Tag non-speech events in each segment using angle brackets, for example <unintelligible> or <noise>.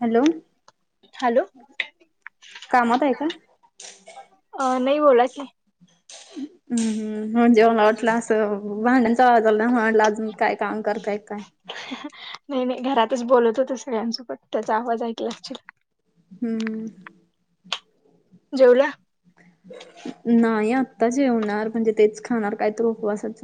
Hello! Hello! कामात हाय काय? अं, नाही बोला की. <inaudible> हम्म, हम्म म्हणजे मला वाटलं असं भांड्यांचा आवाज आला ना मला वाटलं अजून काय काम करताय काय. नाही नाही घरातच बोलत होते सगळ्यांसोबत त्याचा आवाज ऐकला असशील. हम्म्म हम्म्म. जेवल्या? नाही आता जेवणार म्हणजे तेच खाणार काय तर उपवासाच.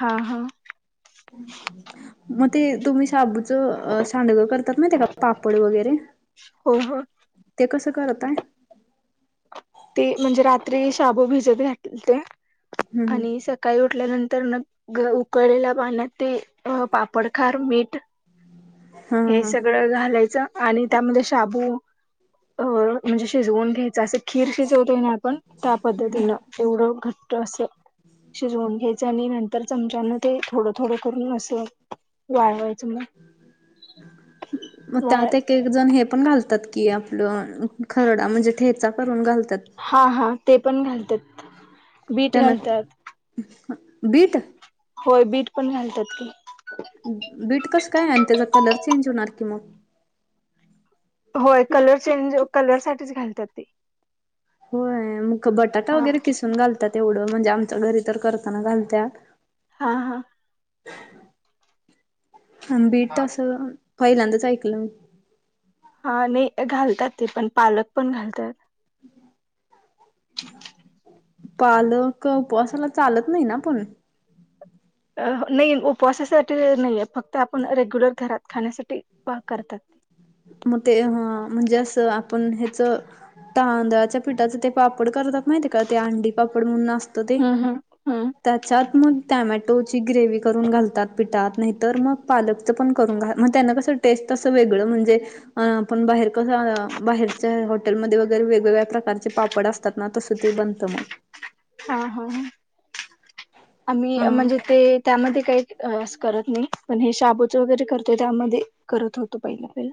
हां हां. मगं ते तुम्ही शाबूचं सांडगं करतात माहितीय काय पापड वगैरे हो हो ते कसं करताय? ते म्हणजे रात्री शाबू भिजत घालत्या हम्म आणि स काळी उठल्यानंतर न गं उकळलेल्या पाण्यात ते पापड, खार, मीठ हा हे हा सगळं घालायचं. आणि त्यामध्ये शाबू अं म्हणजे शिजवून घ्यायचं असे खीर शिजवतोय ना आपण त्या पद्धतीनं एवढं घट्ट अस शिजवून घ्यायचं आणि नंतर चमच्यान ते थोडं थोडं करून असं वाळवायच म मग वाळ त्यात एक एक जण हे पण घालतात कि आपलं खरडा म्हणजे ठेचा करून घालत्यात. हा हा ते पण घालत्यात. त्यांन बीट. होय बीट पण घालतात की. बीट कस काय आणि त्याचा कलर चेंज होणार की मग. होय कलर चेंज कलरसाठीच घालतात ते. होय, मग बटाटा हा. वगैरे किसून घालतात एवढं म्हणजे आमच्या घरी तर करताना घालत्या. हा हा अन बीट असं पहिल्यांदाच ऐकलं मी. हा नाही घालतात ते पण पालक पण घालतात. <inaudible> पालक उपवासाला चालत नाही ना पण? नाही उपवासासाठी नाही आहे, फक्त आपण रेग्युलर घरात खाण्यासाठी करतात. मग ते हम्म म्हणजे असं आपण ह्याचं तांदळाच्या पिठाच ते पापड करतात माहिती का ते अंडी पापड म्हणून असत ते हम्म हम्म. हम्म त्याच्यात मग टॅमॅटोची ग्रेव करून घालतात पिठात नाहीतर मग पालक पण करून घा मग त्यांना कसं टेस्ट असं वेगळं म्हणजे अ आपण बाहेर कस बाहेरच्या हॉटेलमध्ये वगैरे वेगवेगळ्या प्रकारचे पापड अस सतात ना तसं ते बनत मग. हा हा हा हा. आम्ही म्हणजे ते त्यामध्ये काही अ अस करत नाही, पण हे शाबूचं वगैरे करतोय त्यामध्ये करत होतो पहिलं पहिल.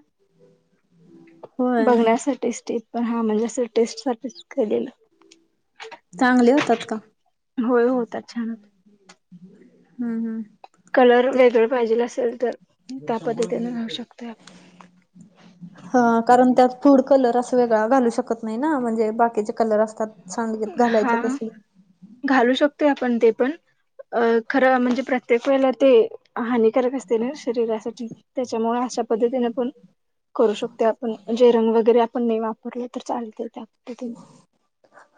होय बघण्यासाठीच स्टेप हा म्हणजे असं टेस्ट साठीच केलेलं. चांगले होतात का? होय होतात छान. हम्म हम्म कलर ते वेगळे पाहिजेल असेल तर त्या पद्धतीने होऊ शकता. हा कारण त्यात फूड कलर असा वेगळा घालू शकत नाही ना म्हणजे बाकीचे कलर असतात सांडगेत घालायचे हा तसले. घालू शकतो आपण ते पण अ खरं म्हणजे प्रत्येक वेळेला ते हानिकारक असते ना शरीरासाठी त्याच्यामुळे अशा पद्धतीने पण करू शकते आपण जे रंग वगैरे आपण नाही वापरल तर चालते त्या पद्धतीन.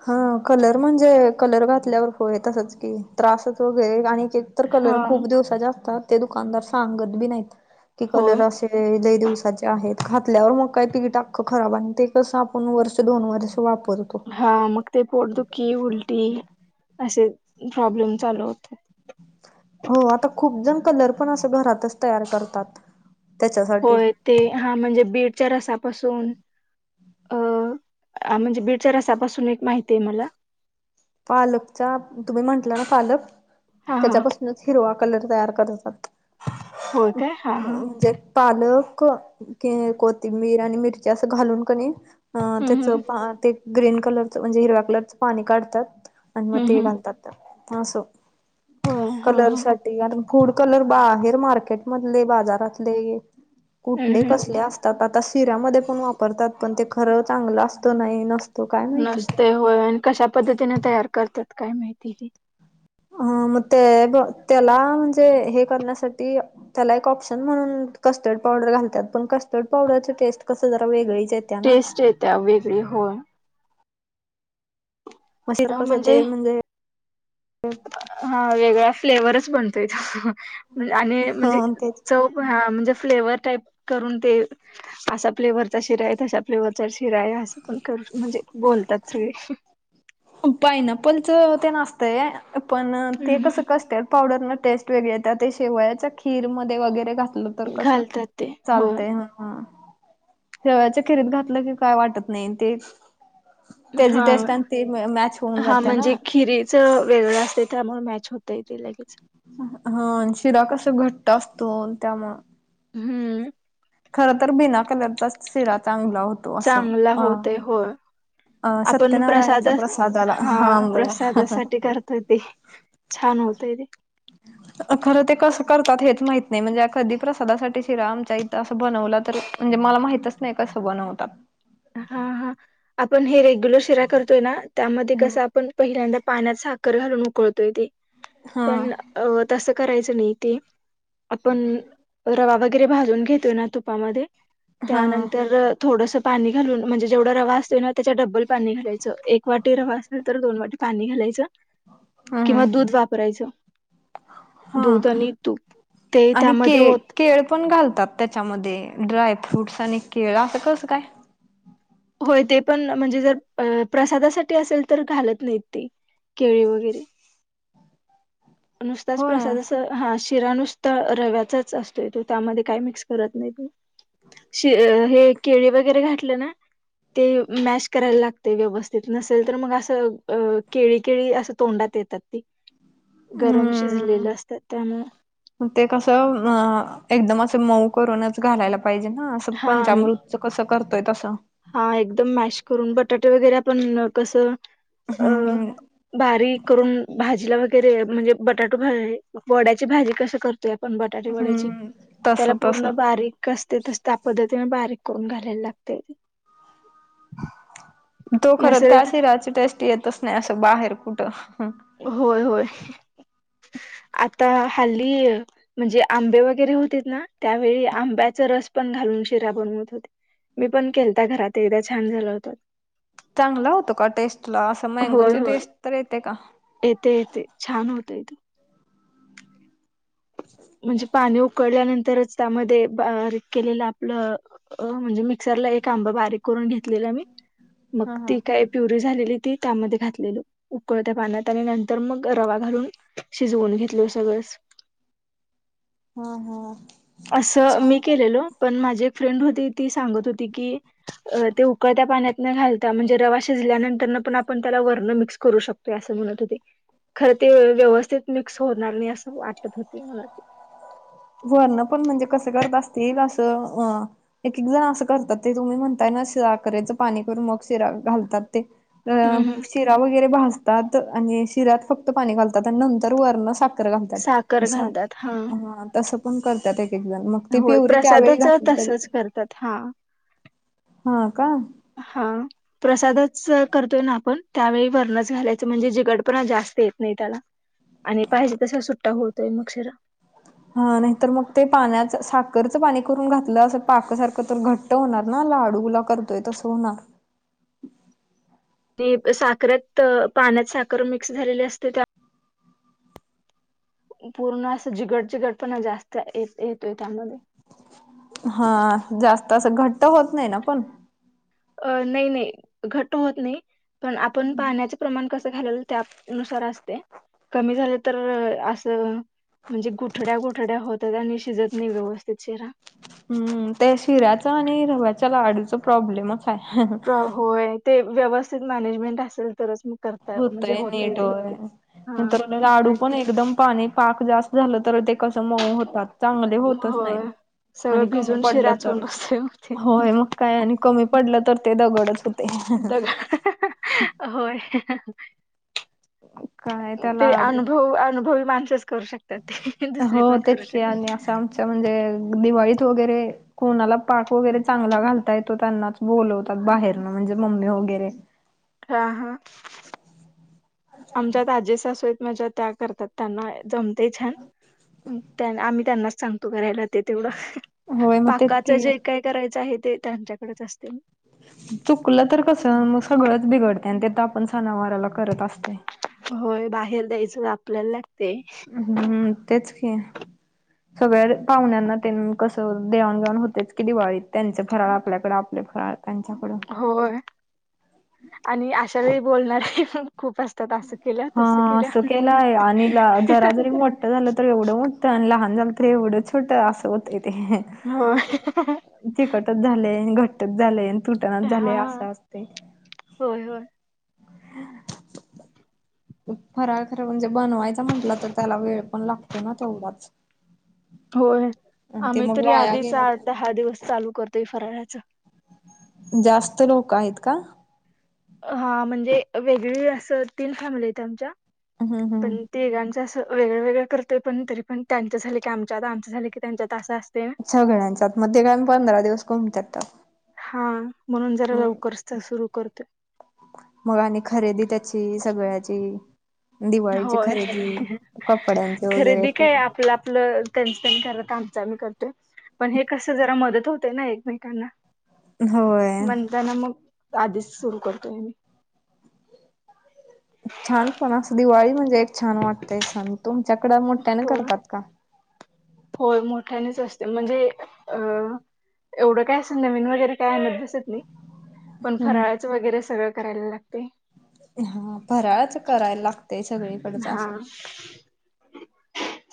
हम्म कलर म्हणजे कलर घातल्यावर होय, तसच की त्रासच वगैरे आणि तर हा कलर खूप दिवसाचे असतात, ते दुकानदार सांगत बी नाहीत की होय कलर अशे ज लय दिवसाचे आहेत खातल्यावर मग काही पिक अख खराब आणि ते कसं आपण वर्ष दोन वर्ष वापरतो. हा मग ते पोटदुखी, उलटी अशे प्रॉब्लेम चालू होता. हो आता खूप जण कलर पण असं घरातच तयार करतात. त्याच्यासाठी होय ते हा म्हणजे बीटच्या रसापासून अ म्हणजे बीटच्या रसापासून एक माहिती आहे मला पालकचा तुम्ही म्हंटलं ना पालक हा हा त्याच्यापासून हिरवा कलर तयार करायचा होय काय हा हा म्हणजे पालक क कोथिंबीर आणि मिरची असं घालून कनी. अ हम्म त्याचं हम्म पा ते ग्रीन कलरच म्हणजे हिरव्या कलरचं पाणी काढतात. आणि मग हम्म ते हम्म घालतात ह असो होय हा हा. कलरसा कारण फूड कलर बाहेर मार्केट मधले बाजारातले हम्म कुठले हम्म. कसले आता शिऱ्यामध्ये पण वापरतात पण ते खरं चांगलं असतं नाही. काय माहिती नसते होय आणि कशा पद्धतीने तयार करतात काय माहिती. अ मग ते त्याला म्हणजे हे करण्यासाठी त्याला एक ऑप्शन म्हणुन कस्टर्ड पावडर घालतात पण कस्टर्ड पावडरच टेस्ट कसं जरा वेगळीच ना टेस्ट येत्या वेगळी होय. मशीर कस ते म्हणजे <inaudible> हा वेगळा फ्लेवरच बनतो इथं आणि म्हणजे हा तेच चव म्हणजे फ्लेवर टावईप करून ते असं फ्लेवरचा शिरा आहे तसा फ्लेवरचा शिरा आहे असं पण कर म्हणजे बोलतात सगळे पायनापल च ते असतंय पण हम्म, ते कसं हम्म. करत्यात पावडर न टेस्ट वेगळे येत ते शेवयाच्या खीरमध्ये वगैरे घातली तर कसं घालतात ते हो चालतय ह ह शेवयाच्या खीरीत घातलं की काय वाटत नाही ते त्याची टेस्ट हा. आणि ती मॅच होऊन जाते ना. च वेगळं असते त्यामुळे मॅच होत ते लगेच हा शिरा कस घट्ट असतो त्यामुळं हम्म. खर तर बिना कलरचा शिरा चांगला होतो. असं चांगला अ होतोय होय अ आपण प्रसाद सत्यनारायणच्या प्रसादाला हा बघा प्रसादासाठी करतो ते छान होते ते खरं ते कसं करतात हेच माहित नाही म्हणजे कधी प्रसादासाठी शिरा आमच्या ते असं बनवलं तर म्हणजे मला माहितच नाही कसं बनवतात. हा हा आपण हे रेग्युलर शिरा करतोय ना त्यामध्ये हम्म कसं आपण पण पहिल्यांदा पाण्यात साखर घालून उकळतोय ते हा पण अ तसं करायचं नाही ते आपण रवा वगैरे भाजून घेतोय ना तुपामध्ये हा त्यानंतर थोडंसं पाणी घालून म्हणजे जेवढं रवा असते ना त्याच्या डबल पाणी घालायच एक वाटी रवा असेल तर दोन वाटी पाणी घालायचं किंवा हम् दूध वापरायचं. हा दुध आणि तुप ते आणि के त्यामध्ये ओत केळ पण घालतात त्याच्यामध्ये ड्राय फ्रूट्स आणि केळ असं कसं काय? होय ते पण म्हणजे जर प्रसादासाठी असेल तर घालत नाहीत ते केळी वगैरे. निसताच होय प्रसाद असं हा शिरा नुसता रव्याचाच असतो त्यामध्ये काही मिक्स करत नाही ते. शि हे केळी वगैरे घातलं ना ते मॅश करायला लागते व्यवस्थित नसेल तर मग असं केळी केळी असं तोंडात येतात ती गरम शिजलेले असतात त्यामुळे म ते कसं अ एकदम असं मऊ करूनच घालायला पाहिजे ना, असं हा पंचामृत कसं करतोय तसं हा एकदम मॅश करून, बटाटे वगैरे आपण कसं अं हम्म बारीक करून भाजीला वगैरे म्हणजे बटाटू वड्याची भाजी कशी करतो ते आपण बटाटे वड्याची हम्म तस त्याला तस पूर्ण बारीक कस ते तस त्या पद्धतीने बारीक करून घालायला लागतयं तो खरं त्या नसेल शिराची टेस्ट येतच नाही असं बाहेर कुठं होय, होय आता हल्ली म्हणजे आंबे वगैरे होतेत ना त्यावेळी आंब्याचा रस पण घालून शिरा बनवत होते. मी पण केलता घरात, एकदा छान झाला होता. चांगला होतो का टेस्टला अस होय मँगोची होय टेस्ट तर येते का? येते येते छान होतोय तो <unintelligible> म्हणजे पाणी उकळल्यानंतरच त्यामध्ये बारीक केलेलं आपलं अ, म्हणजे मिक्सरला एक आंबा बारीक करून घेतलेला मी, मग हा हा ती काय प्युरी झालेली ती त्यामध्ये घातलेलं उकळत्या पाण्यात आणि नंतर मग रवा घालून शिजवून घेतल सगळंच हां हां असं मी केलेलो, पण माझी एक फ्रेंड होती ती सांगत होती की ते उकळत्या पाण्यात न घालता, म्हणजे रवा शिजल्यानंतर पण आपण त्याला वरनं मिक्स करू शकतो. ती असं म्हणत होती, खरं ते व्यवस्थित मिक्स होणार नाही असं वाटत होती म्हणतं वरनं पण म्हणजे कसं करत असतील, असं अ एक, एक जण असं करतात ते तुम्ही म्हणताय ना शि साखरेचं पाणी करून मग शिरा घालतात ते अ हम्म, हम्म. शिरा वगैरे भाजतात आणि शिऱ्यात फक्त पाणी घालतात आणि नंतर वरनं साख -खर घालतात साखर असं, घालतात हा तसं पण करत्यात एक एक जण मग ती होय पिवरी त्यावेळी प्रसादाच घातली तरी तसच करतात हा. हा का हां प्रसादच करतोय ना आपण, त्यावेळी वरनंच घालायचं म्हणजे जिगड पणा जास्त येत नाही त्याला. आणि पाहिजे तसा सुट्टा होतोय मग शिरा. हा नाही तर मग ते पाण्याच साखरचं पाणी करून घातलं असं पाक सारखं तर घट्ट घट्ट होणार ना लाडूला करतोय तसं होणार ते साखरेत पाण्यात साखर मिक्स झालेली असते त्या पूर्ण असं जिगट चिगट पण जास्त येतोय त्यामध्ये हां, जास्त असं घट्ट होत नाही ना पण? अ नाही नाही घट्ट होत नाही, पण आपण पाण्याच प्रमाण कसं घालेल त्या नुसार असतीया, कमी झाले तर असं म्हणजे गुठड्या, गुठड्या होतात आणि शिजत नाही व्यवस्थित शिरा. हम्म त्या शिऱ्याच आणि रव्याच्या लाडूचा प्रॉब्लेमच हाय. प्र होय ते व्यवस्थित मॅनेजमेंट असेल तरच मग करते हुतंय नीट व्हयं, नंतरनं लाडू नाही पण एकदम पाणी पाक जास्त झालं तर ते कसं मऊ होतात. चांगले होतच होय नाहीत आणि सगळं कमी भिजून पडलं शिराच होऊन तर, बसतोय मग ते होय मग काय आणि कमी पडलं तर ते दगडच होत दगड होय. काय त्याला ते लाडू अनुभव अनुभवी माणसच करू शकत त्यात ते दुसर कोण करू शकत त आमच्या म्हणजे दिवाळीत वगैरे कोणाला पाक वगैरे चांगला घालता येतो, त्यांनाच बोलवतात बाहेरन म्हणजे मम्मी वगैरे. हा हा. आमच्यात आजे सासू आहेत माझ्या त्या करतात. त्यांना जमतेय छान. ते आम्ही त्यांनाच सांगतो करायला ते तेवढं. होय मग तेच पाकाच की जे काय करायचं आहे, ते त्यांच्याकडेच असतयं. चुकलं तर कस मग सगळंच बिघडतयं आणि ते तर आपण सणावाराला करत असतोय. होय. बाहेर द्यायचं, आपल्याला लागतय. हं. तेच की. सगळ्या पाहुण्यांना तेनं कसं देवाण घेवाण होतेच की दिवाळीत. त्यांच फराळ आपल्याकडे आपले फराळ त्यांच्याकड. होय. आणि अशा वेळी बोलणारी मग खूप असतात असं केलं, तस हा असं केलं. केलाय आणि जरा जरी मोठं झालं तर एवढं मोठ. अन लहान झालं तर एवढं छोट असं होतय ते. होय चिकटच झालय आणि घट्टच झालय, तुटनाच झालय हा असं असतय. होय होय. फराळ खरं म्हणजे बनवायच म्हटलं तर त्याला वेळ पण लागतो ना तेवढाच. होय. आणि ते आम्ही मग तर वाया आधीच गेलं आठ- तर दहा दिवस चालू करतोय फराळाच. जास्त लोक आहेत का? हा. म्हणजे वेगळी असं तीन फॅमिली आहेत आमच्या. हं हं. पण तिघांचं असं वेगळं वेगळं करतोय. पण तरी पण त्यांचं झालं की आमच्यात, आमचं झाल की त्यांच्यात असं असतय ना. सगळ्यांचात. म ते गंज पंधरा दिवस घुमतात तर. हा, म्हणून जरा लवकरच तर सुरू करतोय. मग आणि खरेदी त्याची सगळ्याची. दिवाळीची होय, खरेदी कपड्यांचे वगैरे खरेदी काय आपलं आपलं त्यांचं त्यांनी करत्यात, आमचं आम्ही करतोय. पण हे कसं जरा मदत होतेय ना एकमेकांना. होय. तेना मग आधीच सुरू करतोय आम्ही. छान! पण असं दिवाळी म्हणजे एक छान वाटतेय सण. तुमच्याकड मोठ्याने हो करतात का? होय मोठ्यानेच असते. म्हणजे अ एवढं काय अस नवीन वगैरे काय आणत बसत नाही. पण हम्म. फराळाचं वगैरे सगळं करायला लागते. हा फराळच करायला लागतय सगळीकडच असं. <inaudible>